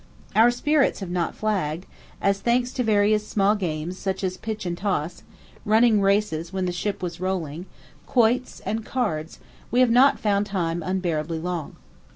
Our spirits have not flagged, as, thanks to various small games such as pitch and toss, running races when the ship was rolling, quoits, and cards, we have not found time unbearably long.